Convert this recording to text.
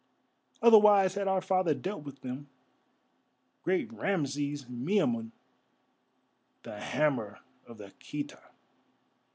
Otherwise had our father dealt with them, great Rameses Miamun, the hammer of the Khita.